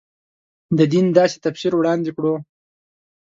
د دین داسې تفسیر وړاندې کړو.